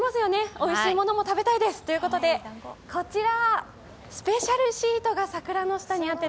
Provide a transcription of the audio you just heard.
おいしいものも食べたいですということでこちら、スペシャルシートが桜の下にあって、